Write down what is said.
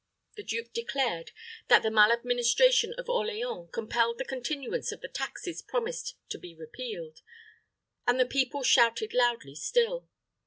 The duke declared that the maladministration of Orleans compelled the continuance of the taxes promised to be repealed, and the people shouted loudly still.